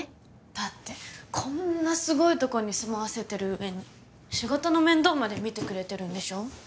だってこんなすごいとこに住まわせてる上に仕事の面倒まで見てくれてるんでしょ？